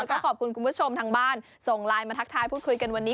แล้วก็ขอบคุณคุณผู้ชมทางบ้านส่งไลน์มาทักทายพูดคุยกันวันนี้